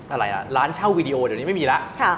อะไรอ่ะร้านเช่าวีดีโอเดี๋ยวนี้ไม่มีแล้ว